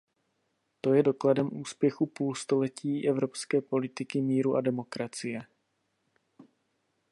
To je dokladem úspěchu půlstoletí evropské politiky míru a demokracie.